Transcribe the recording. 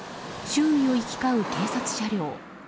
周囲を行き交う警察車両。